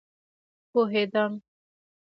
پوهیدم